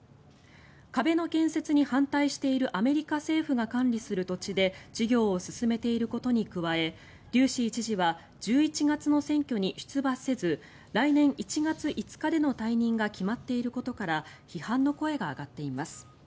壁の建設に反対しているアメリカ政府が管理する土地で事業を進めていることに加えデューシー知事は１１月の選挙に出馬せず来年１月５日での退任が決まっていることから批判の声が上がっています。